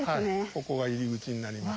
ここが入り口になります。